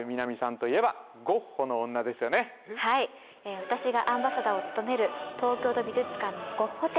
ちなみに浜辺はい私がアンバサダーを務める東京都美術館の「ゴッホ展」